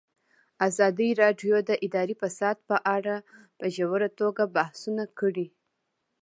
ازادي راډیو د اداري فساد په اړه په ژوره توګه بحثونه کړي.